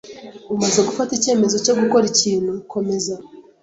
Umaze gufata icyemezo cyo gukora ikintu, komeza.